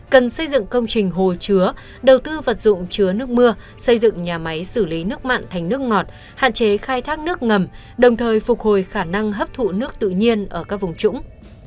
cần xây dựng công trình hồ chứa đầu tư vật dụng chứa nước mưa xây dựng nhà máy xử lý nước mặn thành nước ngọt hạn chế khai thác nước ngầm đồng thời phục hồi khả năng hấp thụ nước tự nhiên ở các vùng trũng